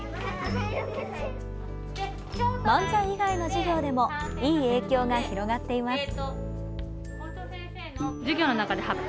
漫才以外の授業でもいい影響が広がっています。